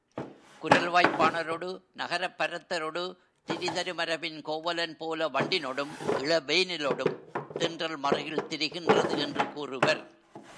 குரல்வாய்ப் பாணரொடு நகரப்பரத்தரொடு திரிதரு மரபின் கோவலன் போல வண்டினொடும் இளவேனிலொடும் தென்றல் மறுகில் திரிகின்றது என்று கூறுவர்.